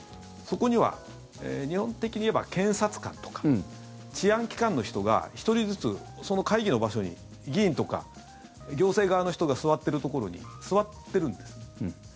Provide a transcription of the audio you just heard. そこには、日本的に言えば検察官とか治安機関の人が１人ずつ、その会議の場所に議員とか行政側の人が座ってるところに座ってるんですね。